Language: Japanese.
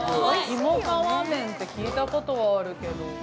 ひもかわ麺って聞いたことはあるけど。